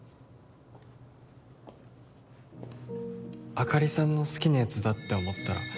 あかりさんの好きなやつだって思ったら